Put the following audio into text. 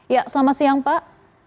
ya selamat siang pak